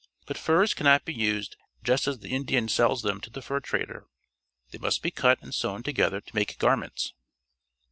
But furs cannot be used just as the Indian sells them to the fur trader. They must be cut and sewn together to make garments.